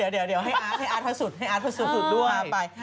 เดี๋ยวให้อาร์ดภาษุสุดด้วย